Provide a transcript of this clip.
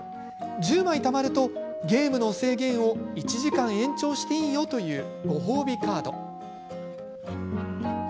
１０枚たまるとゲームの制限を１時間延長していいよというご褒美カード。